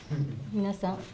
皆さん。